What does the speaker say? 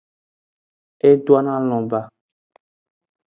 E donoalon ba.